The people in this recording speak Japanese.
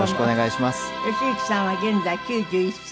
善行さんは現在９１歳。